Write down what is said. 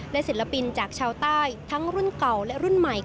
และศิลปินจากชาวใต้ทั้งรุ่นเก่าและรุ่นใหม่